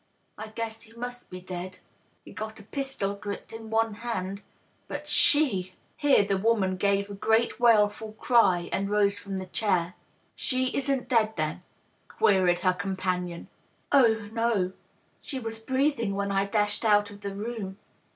I guess he must be dead. He's got a pistol gripped in one hand. But she .." Here the woman gave a great wailM cry and rose from the chair. " She isn't dead, then ?" queried her companion. " Oh, no. She was breathing when I dashed out of the room.